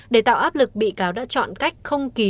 để tạo áp lực bị cáo đã chọn cách không ký